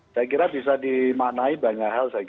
saya kira bisa dimaknai banyak hal